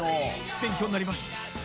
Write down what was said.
勉強になります！